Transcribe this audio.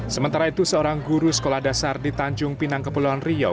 sementara itu seorang guru sekolah dasar di tanjung pinang kepulauan riau